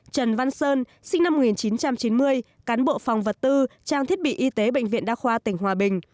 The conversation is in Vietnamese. trần văn sơn sinh năm một nghìn chín trăm chín mươi cán bộ phòng vật tư trang thiết bị y tế bệnh viện đa khoa tỉnh hòa bình